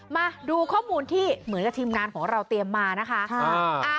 มาดูข้อมูลที่เหมือนกับทีมงานของเราเตรียมมานะคะ